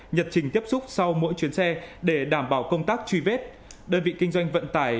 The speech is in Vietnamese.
nhật trình tiếp xúc sau mỗi chuyến xe để đảm bảo công tác truy vết đơn vị kinh doanh vận tải